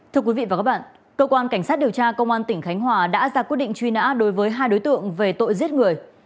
thưa quý vị và các bạn cơ quan cảnh sát điều tra công an tỉnh khánh hòa đã ra quyết định truy nã đối với hai đối tượng về tội giết người